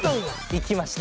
行きました。